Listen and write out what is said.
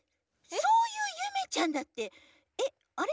そういうゆめちゃんだってえっあれ？